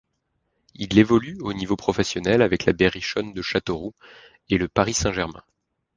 Il évolue au niveau professionnel avec La Berrichonne de Châteauroux et le Paris Saint-Germain.